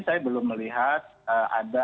saya belum melihat ada